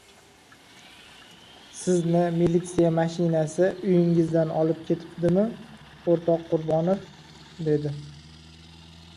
— Sizni militsiya mashinasi uyingizdan olib ketibdimi, o‘rtoq Qurbonov? — dedi.